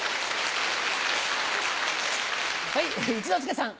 はい一之輔さん。